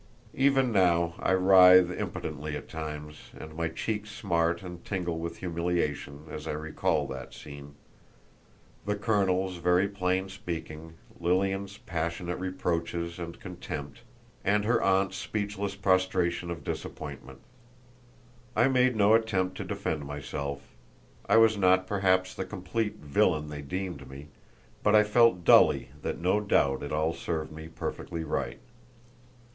Even now I writhe impotently at times, and my cheeks smart and tingle with humiliation, as I recall that scene—the colonel's very plain speaking, Lilian's passionate reproaches and contempt, and her aunt's speechless prostration of disappointment. I made no attempt to defend myself; I was not, perhaps, the complete villain they deemed me, but I felt dully that no doubt it all served me perfectly right.